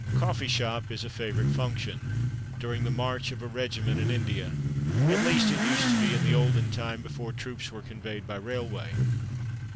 "Coffee shop" is a favourite function, during the march of a regiment in India, at least it used to be in the olden time, before troops were conveyed by railway.